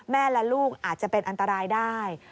แม่และลูกอาจจะเป็นอันตรายได้